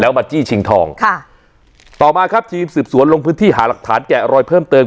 มาจี้ชิงทองค่ะต่อมาครับทีมสืบสวนลงพื้นที่หาหลักฐานแกะรอยเพิ่มเติม